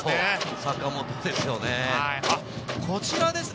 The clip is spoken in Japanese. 坂本ですね。